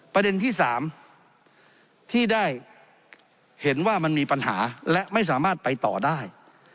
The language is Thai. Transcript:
ประเด็นที่๓ที่ได้เห็นว่ามันมีปัญหาและไม่สามารถไปต่อได้